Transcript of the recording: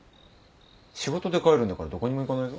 仕事で帰るんだからどこにも行かないぞ。